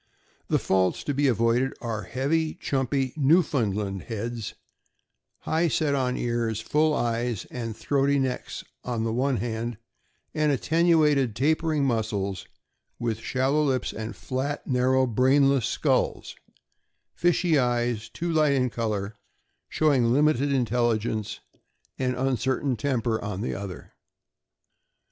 The faults to be avoided are heavy, chumpy, "Newfound land" heads, high set on ears, full eyes, and throaty necks on the one hand, and attenuated, tapering muzzles, with shallow lips, and flat, narrow, brainless skulls, fishy eyes too light in color, and showing a limited intelligence and uncertain temper on the other.